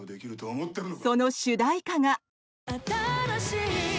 その主題歌が。